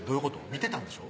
見てたんでしょ？